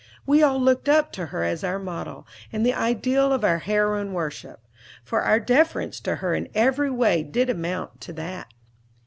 We all looked up to her as our model, and the ideal of our heroine worship; for our deference to her in every way did amount to that.